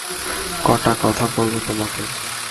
কটা কথা বলব তোমাকে।